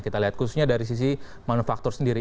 kita lihat khususnya dari sisi manufaktur sendiri